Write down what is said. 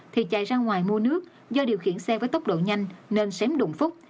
thì chạy ra ngoài mua nước do điều khiển xe với tốc độ nhanh nên xém đụng phúc